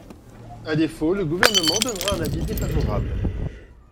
À défaut, le Gouvernement donnera un avis défavorable.